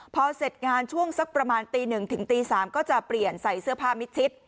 พอเสร็จงานช่วงสักประมาณตี๑ถึงตี๓ก็จะเปลี่ยนใส่เสื้อผ้ามิดชิด